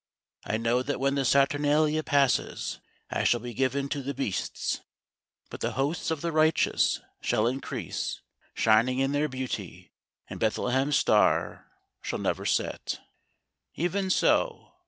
I know that when the Saturnalia passes, I shall be given to the beasts. But the hosts of the righteous shall increase, shining in their beauty, and Bethlehem's Star shall never set." Even so.